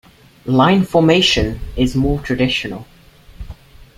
Line formation is more traditional.